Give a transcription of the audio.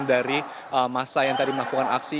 dari masa yang tadi melakukan aksi